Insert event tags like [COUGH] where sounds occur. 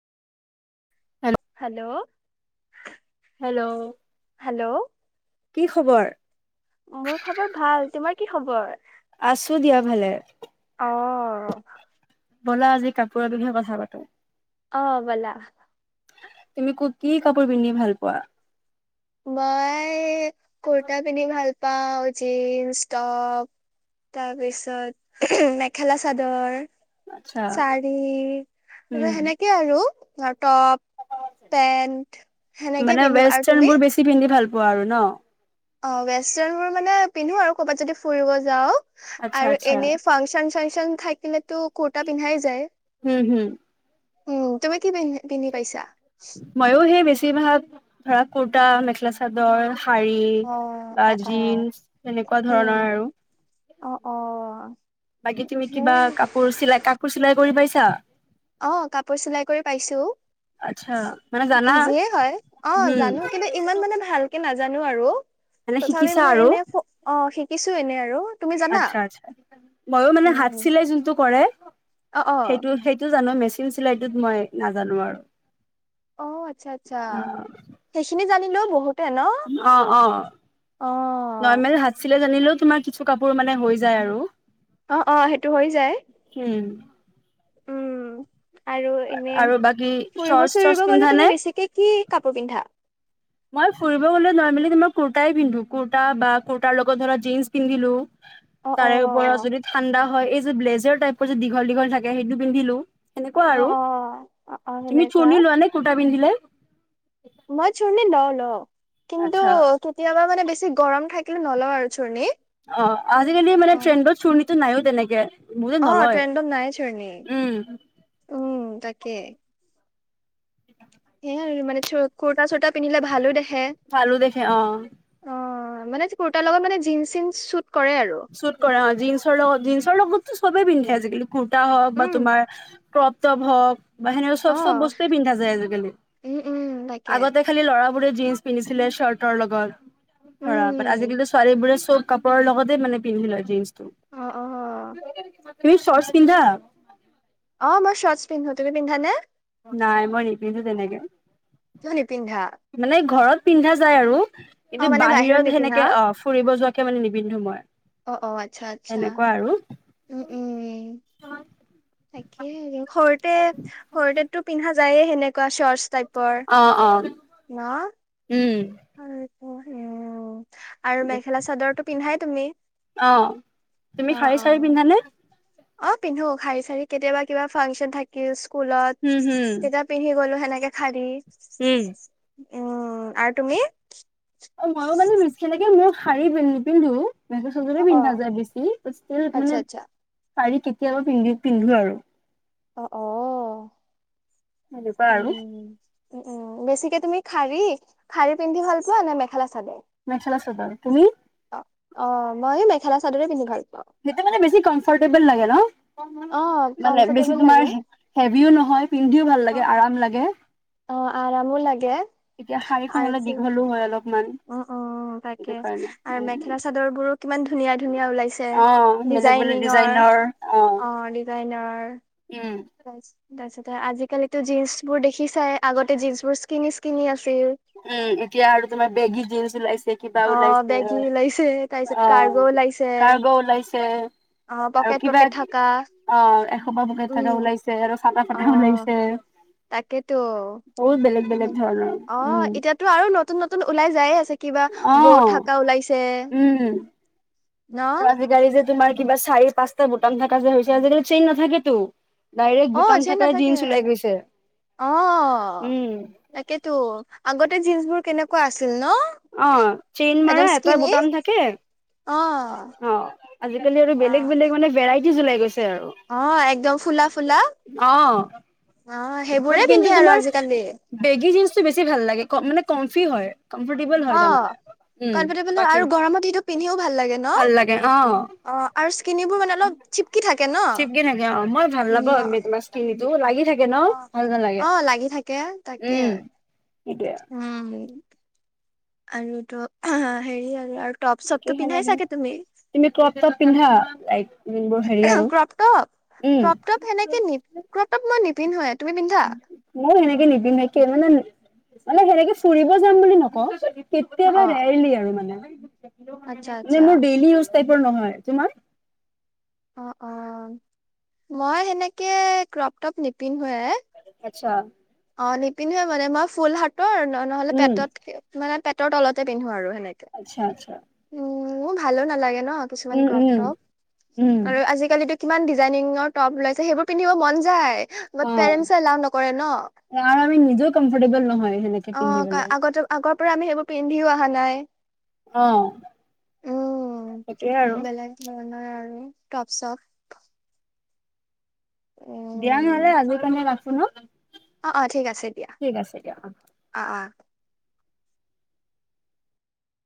Hello, hello hello, কি খবৰ? মোৰ খবৰ ভাল তোমাৰ কি খবৰ? আছো দিয়া ভালে। অ, ব'লা আজি কাপোৰৰ বিষয়ে কথা পাতো। অ বলা তুমি কি কাপোৰ পিন্ধি ভাল পোৱা? মই কুৰ্তা পিন্ধি ভাল পাওঁ। জিন্স টপ তাৰপিছত মেখেলা চ চাদৰ আচ্ছা চাৰি তাৰ উম সেনেকে আৰু ত টপ পেন্ট সেনেকে মানে পিন্ধো আৰু ৱেষ্টাৰ্ণ তুমি বোৰ বেছি পিন্ধি ভাল পোৱা আৰু ন অ ৱেষ্টাৰ্ণবোৰ মানে পিন্ধো আৰু কৰ'বাত যদি ফুৰিব যাও। আচ্ছা আৰু আচ্ছা এনেই ফাংচন চাংচন থাকিলে কিনে তটো কূটা পিন্ধাই যায়। হম হম উম তুমি কি পিন্ধি পিন্ধি পাইছা? বেছি ভাগ কূটা মেখেলা চাদৰ। শাৰী অ বা অ অ জিন্চ সেনেকুৱা ধৰণৰ উম আৰু অ অ বাকী তুমি সেই কিবা কাপোৰ চিলাই কাপোৰ চিলাই কৰি পাইছা? তা অ কাপোৰ চিলাই কৰি পাইছো আচ্ছা মানে জানা? ইজিয়ে হয় অ হম জানো কিন্তু ইমান মানে ভালকে নাজানো। জানো আৰু মানে তথাপি শিকিছা মানে আৰু এনে অ শিক কিছু এনেই আৰু তুমি জানা আ্চ্ছা আচ্ছা ময়ো মানে হাত উম চিলাই যোনটো কৰে অ অ স সেইটো জানো চিম চিলাইটোত মই নাজানো আৰু অ আচ্ছা আচ্ছা সেইখিনি জানি ন বহুত অ অ নমেল হাতছিলে জানিলো তোমাৰ কিছু কাপোৰ মানে হৈ যায় আৰু অ অ সেইটো হৈ যায় উম উম আৰু এনে আৰু বাকী ফুৰিব চৰ্টচ চৰ্টচ চুৰিব পিন্ধা গলে নে তুমি বেছিকে কি কাপোৰ পিন্ধা মই ফুৰিব গ'লে নমেলি তোমাৰ কুৰ্তাই পিন্ধো কুৰ্তা বা কুৰ্তাৰ লগত ধৰ জীন্চ পিন্ধিলো অ অ তাৰে ওপৰত যদি ঠাণ্ডা হয় এই ব্লেজৰ টাইৰ যে দীঘ দীঘল থাকে সেইটো পিন্ধিলো সেনেকুৱা অ আৰু অ অ অ তুমি সেনেকুৱা চৰ্ণি লোৱা নে কুৰ্তা পিন্ধিলে মইছৰণে ল ল কিন্তু আচ্ছা কেতিয়াবা মানে বেছি গৰম থাকে কে নলাৰ চু নি অ আজিকালি মানে ট্ৰেডৰ চু ো নাইো তেনেকে বহুতে অ নলয় ট্ৰেনডত নাই চ্ৰণী উম উম তাক কে সে মানে কুৰ্তা চুৰ্তা পিন্ধিলে ভালো দেখে ভালু দেখে অ অ মানে কোৰতাৰ লগত মানে জিন চুট কৰে আৰু চুট কৰা জীন্চৰ লগত জীন্ছৰ লগত ত চবেই পন্ধ আজিকালি কুুৰ্তা হওক বা উম তোমাৰ প্ৰপটপ হওক বাাহেনে অ চব চব বস্তুৱে পিন্ধা যায় আজিকালি উম উম তাকে আগতে খালি লৰা পোৰে জিনন্ছ পিন্ধিছিলে চাৰ্টৰ লগত ৰা উম আজিকালি ছোৱালীবোৰে চব কাপোৰৰ লগত মানে পিন্ধিলে জিন্ অ অ [INAUDIBLE] তুমি শৰ্টছ পিন্ধা অ মই শৰ্টচ পিন্ধো তুমি পিন্ধানে নাই মই নিপিন্ধো তেনেকে ধনি পিণ্ধা মানে ঘৰত পিন্ধা যায় আৰু কিন্তু বাহিৰত নিপিন্ধা সেনেকে অ ফুৰিব যোৱাকে মানে নিবিিন্ধো মই অ অ আচ্ছা আচ্ছা সেনেকুৱা আৰু উম উম তাকে সৰুতে সৰতেতটো পিন্ধা যায় সেনেকে অ অ উম হয় অ আৰু মেখেলা চাদৰটো পিন্ধাই তুমি অ অ তুমি শাৰী অ চাৰী পিন্ধানে অ পিন্ধো শাৰী চাৰি কেতিয়াবা কিবা ফাংচন থাকি স্কুলত হম হম তেতিয়া পিন্ধি গ'লো হে তেনেকে খালি উম উম আৰু তুমি অ মইো মানে বিশেছেলকে মোৰ শাৰী পিন্ধো মেগ অ চজৰে অ পিন্ধা যায় বেছি ষ্ট আচ্ছা মানে আচ্ছা শডাৰী কেতিয়াবা পিন্ধি পিন্ধো আৰু অ অ এনেুৱা আৰু উ উম বেছিকে তুমি খাৰী খাৰী পিন্ধি ভাল পোৱা নে মেখেলা মেখেলা চাদৰ তুমি অ অ মই ম খেল চাদৰে পিন্িাাল সটোয়া মানে বেছি কম্ফৰ্টেবল লাগে অ ন মানে বেছি কমফৰ্টেবল লাগে তোমাৰ হেভিও নহয় পিন্ধিও ভাল অ লাগে আৰাম লাগে অ আৰামো লাগে এতিয়া শাৰীখন অলপ আৰুো দীঘলো হয় অলপমান উ উ তাকে সেইটো কাৰণে আৰু মেখেলা চাদৰ বোৰো কিমান ধুনীয়া ধুনীয়া ওলাইছে অ বেলেগ বেলেগ ডিজাইনিঙৰ ডিজাইনৰ অ ডিজাইনৰ উম বছ তাৰ পিছতে আজিকালিিতো জীন্চ বোৰ দেখি চাই আগতে জীন্চ বোৰ স্কিনি স্কিনি আছ উম এতিয়া আৰু তোমাৰ বেগী জন্চ ওলাইছে কিবা অ ওলাইছে বেগী ওলাইছে তাৰপিছত অ কাৰ্গো ওলাইছে কাৰ্গ ওলাইছে অ আৰু পকেট কিবা পকেট থকা অ এসোপাহ বকেট উম থকা ওলাইছে আৰু চটা অ ফটা ওলাইছে তাকেতো বহুত বেলেগ বেলেগ ধৰণৰ অ উম এতিয়াতো আৰু নতুন নতুন ওলাই যায় আছে কিবা অ বৰ থাককা ওলাইছে উম ন আৰু আজিকালি যে তোমাৰ চাৰি পাঁচটা বটাম থাক যে হৈছে আজিকালি চেইন নাথাকেতো ডাইৰেক্ট অ বুটাম যেন থাকাই নাথাকে। জিন্চ ওলাই গৈছে অ উম তাকেটো। আগতে জিনন্চ বোৰ কেনেকুৱা আচি অ, চেইন মাৰা এটা স্কিনি বুটাম থাকে। অ অ, আজিকালি আৰু অ বেলেগ বেলেগ মানে ভেৰাইটি কি জুলাই গৈছে? আৰু অ একদম ফুলা-ফুলা। ম কিন্তু তোমাৰ বেগী জীনছ বেছি ভাল লাগে ক মানে কমফি হয়। কমফৰ্টেবল হয় অ তাৰমানে উম কমফৰ্টেবল হয় বাকী আৰু গৰমত সিটো পিন্ধিও ভাল লাগে ভাল ন? লাগে অ আৰু স্কিনিবোৰ মানে অলপ চিপকি থাকে। ন চিপকি থাকে অ। মই ভাল উম নাপাওঁ মে মাছখিন- ত লাগি থাকে ন অ, ভাল নালাগে অ লাগি থাকে। তাকে উম সেইটোয়ে উ আৰু তো হেৰি আৰু টপ চপটো পিন্ধাই ন চাগে তুমি ক্ৰপ তপ পিন্ধা? লাইক যোনবোৰ হেৰি আৰু ক্ৰপটপ উম ক্ৰকটপ সেনেকে ন ক্ৰটপ মই নি তি হয় তুমি পিন্ধা মইও সেনেকে নিপিন্ধো। মানে মানে সেনেকে ফুৰিব যাম বুলি নকওঁ কেতিয়াবা অ ৰেয়াৰলি আৰু মানে। আচ্ছা নি আচ্ছা মোৰ ডেইলী টাইপৰ নহয়, তোমাৰ? অ, অ। মই সেনেকে ক্ৰপটপ নিপিন্ধো। হয় আই। আচ্ছা নিপিন্ধো এ মানে মই ফুল হাত ত ন নহলে উম পেটত থাকে মানে পেটত ৰ তলতে পিন্ধো আৰু। সেনেকে আচ্ছা, আচ্ছা। উম, মোৰ ভালো নালাগে। ন কিছুমান উম ক্ৰপ উম উম টপ। আৰু আজি কালি টো কিমান ডিজাইনিঙৰ টপ ওলাইছে, সেইবোৰ পিন্ধিব মন যায়। বাট অ পেৰেন্টছে এলাও নকৰে ন আৰু আমি নিজেও কমফৰ্টেবল নহয় সেনেকে পিন্ধিবলে। তাৰ পৰা আমি সেইবোৰ পিন্ধিও অহা নাই। অ উম সেইটোয়ে আৰু বেলেগ ধৰণৰ আৰু টপ চপ দিয়া নহলে উম আজিলৈ মই ৰাখো শুন [UNINTELLIGIBLE] অ অ ঠিক আছে দিয়া অ অ